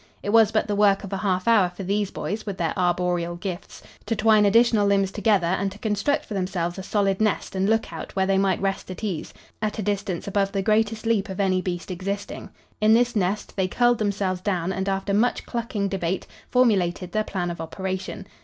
It was but the work of a half hour for these boys, with their arboreal gifts, to twine additional limbs together and to construct for themselves a solid nest and lookout where they might rest at ease, at a distance above the greatest leap of any beast existing. In this nest they curled themselves down and, after much clucking debate, formulated their plan of operation.